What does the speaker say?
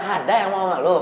ada yang mau ngeluk